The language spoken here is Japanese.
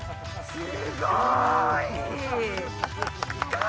すごーい。